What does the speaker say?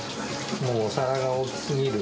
もうお皿が大きすぎる。